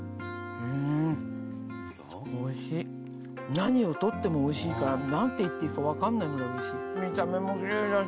何を取ってもおいしいから何て言っていいか分かんないぐらいおいしい見た目もキレイだし。